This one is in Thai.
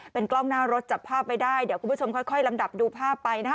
เป็นกล้องหน้ารถจับภาพไว้ได้เดี๋ยวคุณผู้ชมค่อยลำดับดูภาพไปนะฮะ